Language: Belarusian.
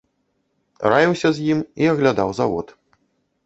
Раіўся з ім і аглядаў завод.